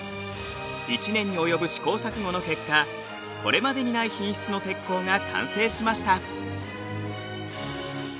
１年に及ぶ試行錯誤の結果これまでにない品質の鉄鋼が完成しました。